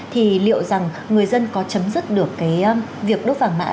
thì liệu rằng người dân có chấm dứt được cái việc đốt vàng mã